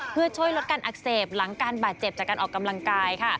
เพื่อช่วยลดการอักเสบหลังการบาดเจ็บจากการออกกำลังกายค่ะ